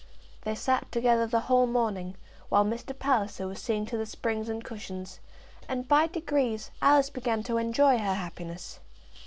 They sat together the whole morning, while Mr. Palliser was seeing to the springs and cushions, and by degrees Alice began to enjoy her happiness.